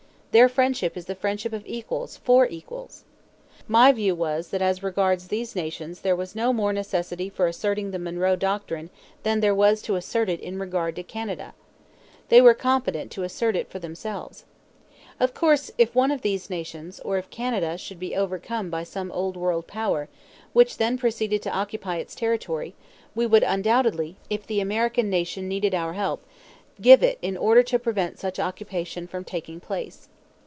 Their friendship is the friendship of equals for equals. My view was that as regards these nations there was no more necessity for asserting the Monroe Doctrine than there was to assert it in regard to Canada. They were competent to assert it for themselves. Of course if one of these nations, or if Canada, should be overcome by some Old World power, which then proceeded to occupy its territory, we would undoubtedly, if the American Nation needed our help, give it in order to prevent such occupation from taking place.